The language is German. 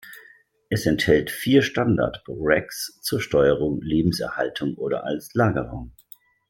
Es enthält vier Standard-Racks zur Steuerung, Lebenserhaltung oder als Lagerraum.